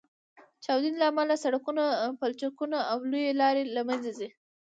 د چاودنو له امله سړکونه، پولچکونه او لویې لارې له منځه ځي